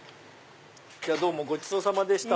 どうもごちそうさまでした。